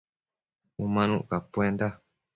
Umanuc capuenda